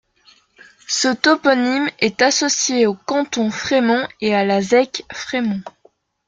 Ce toponyme est associé au canton Frémont et à la zec Frémont.